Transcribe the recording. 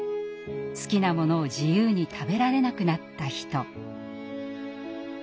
好きなものを自由に食べられなくなった人。